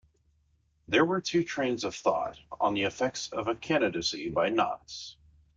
There were two trains of thought on the effects of a candidacy by Knotts.